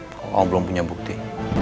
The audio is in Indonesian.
kalau om belum punya bukti